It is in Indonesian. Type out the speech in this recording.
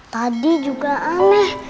tadi juga aneh